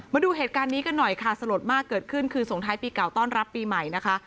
มาดูเหตุการณ์นี้กันหน่อยค่ะสลดมากเกิดขึ้นคืนสงท้ายปีเก่าต้อนรับปีใหม่นะคะ